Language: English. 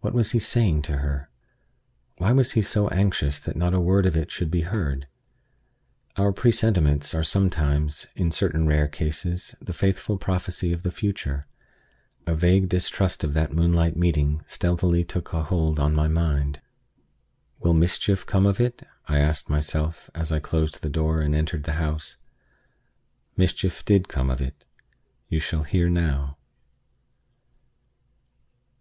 What was he saying to her? Why was he so anxious that not a word of it should be heard? Our presentiments are sometimes, in certain rare cases, the faithful prophecy of the future. A vague distrust of that moonlight meeting stealthily took a hold on my mind. "Will mischief come of it?" I asked myself as I closed the door and entered the house. Mischief did come of it. You shall hear how.